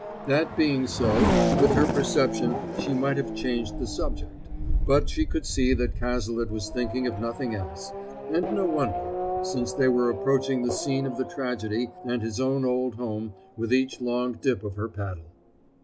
That being so, with her perception she might have changed the subject; but she could see that Cazalet was thinking of nothing else; and no wonder, since they were approaching the scene of the tragedy and his own old home, with each long dip of her paddle.